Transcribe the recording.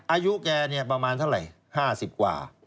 อายุแกเนี่ยประมาณเท่าไหร่๕๐กว่า